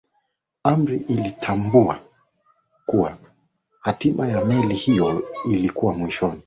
amri ilitambua kuwa hatima ya meli hiyo ilikuwa mwishoni